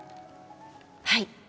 はい。